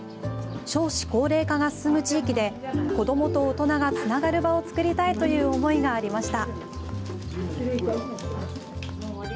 少子高齢化が進む地域で子どもと大人がつながる場をつくりたいという思いがありました。